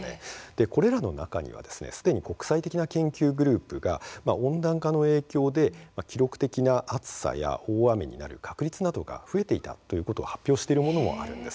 これらの中にはすでに国際的な研究グループが温暖化の影響で記録的な暑さや大雨になる確率が増えていたと発表しているものもあるんです。